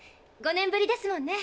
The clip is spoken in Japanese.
５年ぶりですもんね。